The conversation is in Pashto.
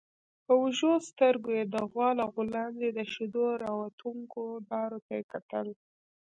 په وږو سترګويې د غوا له غولانځې د شيدو راوتونکو دارو ته کتل.